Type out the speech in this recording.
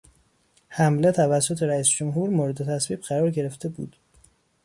حمله توسط رئیس جمهور مورد تصویب قرار گرفته بود.